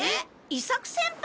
伊作先輩！？